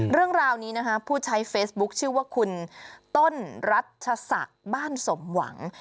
เรื่องราวนี้นะคะผู้ใช้เฟซบุ๊คชื่อว่าคุณต้นรัชศักดิ์บ้านสมหวัง